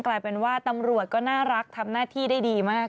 กลายเป็นว่าตำรวจก็น่ารักทำหน้าที่ได้ดีมาก